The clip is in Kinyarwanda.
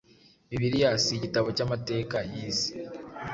Bibiliya si igitabo cy’amateka y’isi :